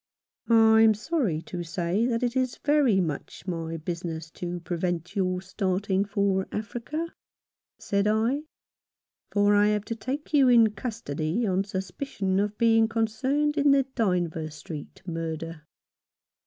"I'm sorry to say that it is very much my business to prevent your starting for Africa," said I, "for I have to take you in custody on sus picion of being concerned in the Dynevor Street murder."